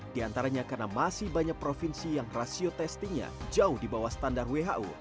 di antaranya karena masih banyak provinsi yang rasio testingnya jauh di bawah standar who